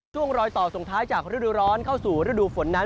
ช่วงรอยต่อส่งท้ายจากฤดูร้อนเข้าสู่ฤดูฝนนั้น